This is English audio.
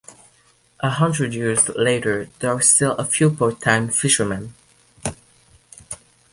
A hundred years later there are still a few part-time fisher men.